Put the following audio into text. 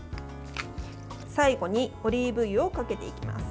最後にオリーブ油をかけていきます。